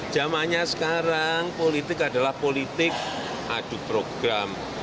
zamannya sekarang politik adalah politik adu program